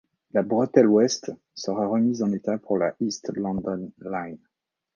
La bretelle Ouest sera remise en état pour la East London Line.